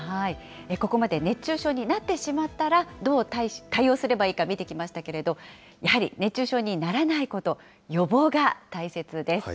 ここまで、熱中症になってしまったら、どう対応すればいいか見てきましたけれども、やはり熱中症にならないこと、予防が大切です。